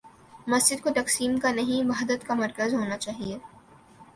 مسجد کو تقسیم کا نہیں، وحدت کا مرکز ہو نا چاہیے۔